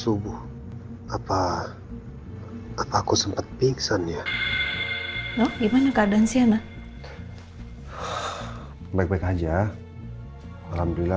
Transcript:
subuh apa apa aku sempet pingsan ya oh gimana keadaan siana baik baik aja alhamdulillah